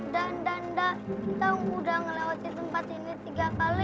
danda kita udah melewati tempat ini tiga kali